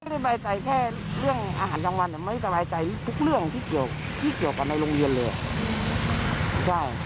สบายใจแค่เรื่องอาหารกลางวันไม่สบายใจทุกเรื่องที่เกี่ยวกับในโรงเรียนเลย